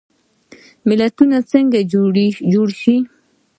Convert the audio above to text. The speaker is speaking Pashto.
متلونه څنګه جوړ شوي؟